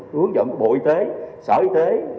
hướng dẫn bộ y tế sở y tế